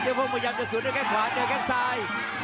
โอ้โหมันจริงครับเสื้อพวกจัดสวนด้วยแก่สาอย